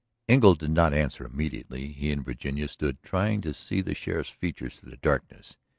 Engle did not answer immediately. He and Virginia stood trying to see the sheriff's features through the darkness.